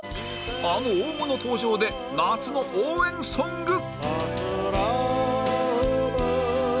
あの大物登場で夏の応援ソング！